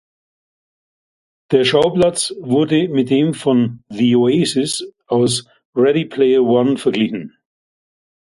Der Schauplatz wurde mit dem von "The Oasis" aus "Ready Player One" verglichen.